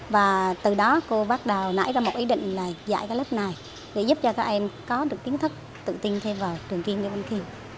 và từ đó cô bắt đầu nảy ra một ý định là dạy các lớp này để giúp cho các em có được kiến thức tự tin thi vào trường trung học nguyễn bình khiêm